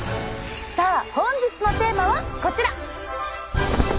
さあ本日のテーマはこちら！